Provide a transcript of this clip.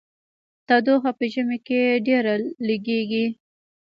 تودوخه په ژمي کې ډیره لګیږي.